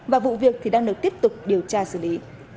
và vụ việc thì đang được tiếp tục điều tra xử lý